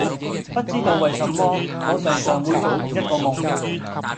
不知道為什麼，我常常會做同一個夢